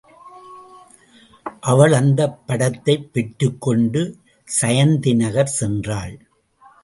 அவள் அந்தப் படத்தைப் பெற்றுக்கொண்டு சயந்தி நகர் சென்றாள்.